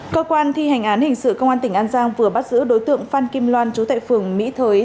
cơ quan thi hành án hình sự công an tỉnh an giang vừa bắt giữ đối tượng phan kim loan chú tại phường mỹ thới